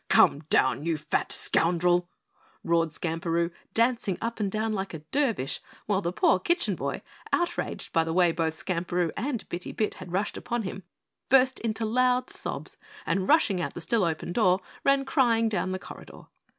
"Come down, you fat scoundrel!" roared Skamperoo, dancing up and down like a dervish, while the poor Kitchen Boy, outraged by the way both Skamperoo and Bitty Bit had rushed upon him, burst into loud sobs and rushing out the still open door, ran crying down the corridor.